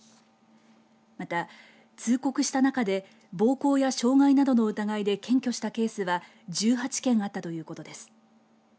また、通告した中で暴行や傷害などの疑いで検挙したケースは１８件あったということです。